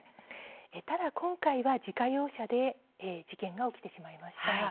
ただ今回は自家用車で事件が起きてしまいました。